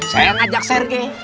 saya yang ajak serge